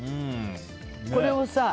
これをさ